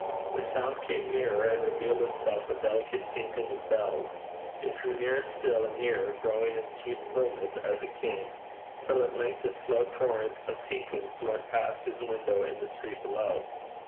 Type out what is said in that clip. The sound came nearer, and revealed itself a delicate tinkling of bells. It drew nearer still and nearer, growing in sweet fulness as it came, till at length a slow torrent of tinklings went past his window in the street below.